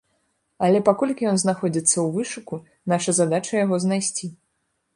Але паколькі ён знаходзіцца ў вышуку, наша задача яго знайсці.